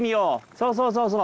そうそうそうそう。